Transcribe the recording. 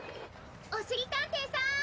おしりたんていさん！